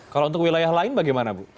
kalau untuk wilayah lain bagaimana bu